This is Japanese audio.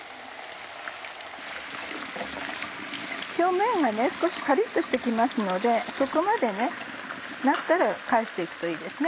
表面が少しカリっとして来ますのでそこまでなったら返して行くといいです。